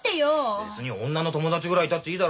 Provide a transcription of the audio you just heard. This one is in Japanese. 別に女の友達ぐらいいたっていいだろ。